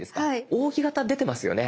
扇形出てますよね？